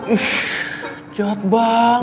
ih jahat banget sih